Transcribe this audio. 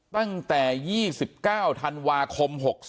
ตั้งแต่๒๙ธันวาคม๖๒